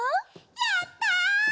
やった！